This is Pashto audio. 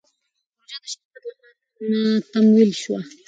پروژه د شرکت له خوا تمویل شوه.